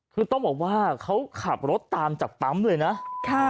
คือต้องบอกว่าเขาขับรถตามจากปั๊มเลยนะค่ะ